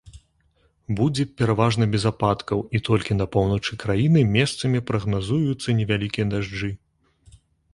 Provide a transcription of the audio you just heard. Будзе пераважна без ападкаў і толькі на поўначы краіны месцамі прагназуюцца невялікія дажджы.